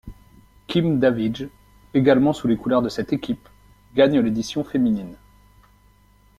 Kim Davidge, également sous les couleurs de cette équipe, gagne l'édition féminine.